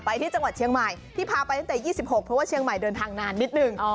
ที่จังหวัดเชียงใหม่ที่พาไปตั้งแต่๒๖เพราะว่าเชียงใหม่เดินทางนานนิดนึง